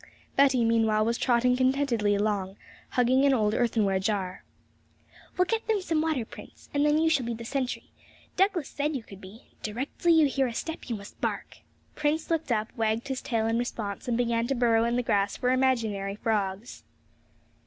Betty meanwhile was trotting contentedly along, hugging an old earthenware jar. 'We'll get them some water, Prince, and then you shall be the sentry; Douglas said you could be; directly you hear a step you must bark!' Prince looked up, wagged his tail in response, and began to burrow in the grass for imaginary frogs.